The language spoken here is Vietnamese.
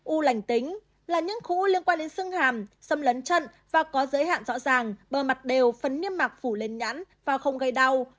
u lành tính là những khu u liên quan đến xương hàm xâm lớn chân và có giới hạn rõ ràng bờ mặt đều phấn niêm mạc phủ lên nhãn và không gây đau